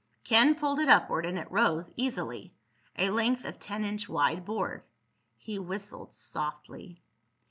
Ken pulled it upward and it rose easily—a length of ten inch wide board. He whistled softly.